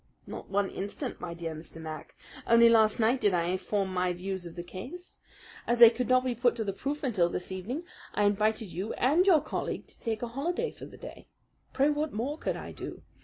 "Not one instant, my dear Mr. Mac. Only last night did I form my views of the case. As they could not be put to the proof until this evening, I invited you and your colleague to take a holiday for the day. Pray what more could I do?